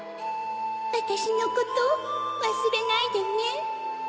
わたしのことわすれないでね。